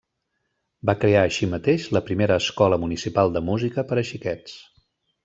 Va crear així mateix la primera Escola Municipal de Música per a xiquets.